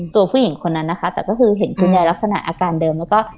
ตัวผู้หญิงคนนั้นนะคะแต่ก็คือเห็นคุณยายลักษณะอาการเดิมแล้วก็